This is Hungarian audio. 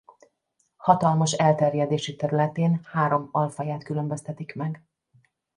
Hatalmas elterjedési területén három alfaját különböztetik meg.